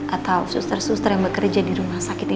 atau suster suster yang bekerja di rumah sakit ini